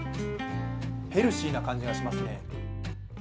ヘルシーな感じがしますね。